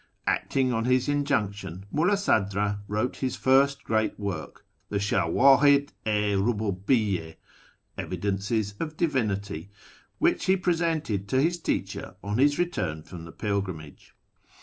Acting on this injunction, Mulla Sadra wrote his first great work, the Shavmhid i Rululiyy6 (" Evidences of Divinity"), which he presented to his teacher on his return from the pilgrimage.